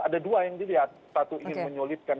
ada dua yang dilihat satu ingin menyulitkan